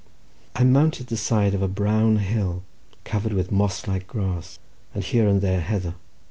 I mounted the side of a brown hill covered with moss like grass, and here and there heather.